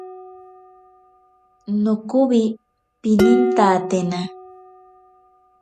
Nokowi pinintatena.